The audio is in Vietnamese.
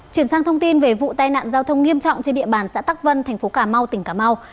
chuyển sang thông tin về vụ tai nạn giao thông nghiêm trọng trên địa bàn xã tắc vân thành phố cà mau tỉnh cà mau